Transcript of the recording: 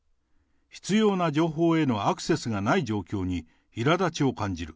必要な情報へのアクセスがない状況にいら立ちを感じる。